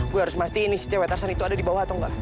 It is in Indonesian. gue harus mastiin ini si cd vac itu ada di bawah atau enggak